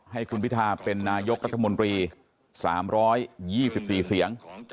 ให้คุณพิทาเป็นนายกรัฐมนตรี๓๒๔เสียง